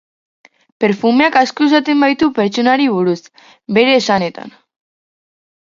Perfumeak asko esaten baitu pertsonari buruz, bere esanetan.